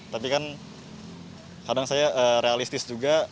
tapi kan kadang saya realistis juga